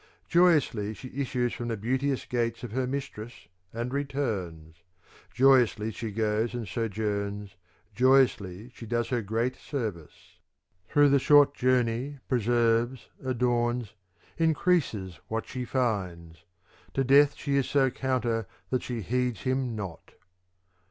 Joyously she issues from the beauteous gates Of her mistress^ and returns : joyously she goes and sojourns, joyously she does her great service. Through the short journey preserves, adorns, increases what she finds :^ to death she is so counter that she heeds him not.